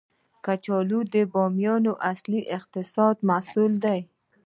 کچالو د بامیان اصلي اقتصادي محصول دی